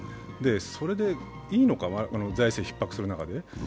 それでいいのか、財政ひっ迫する中で。